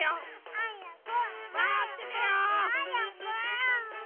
はやく！